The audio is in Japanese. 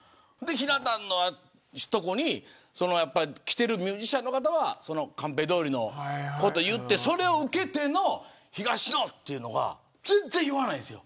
ひな壇の所に来てるミュージシャンの方はカンペどおりのことを言ってそれを受けての東野っていうのが全然言わないんです。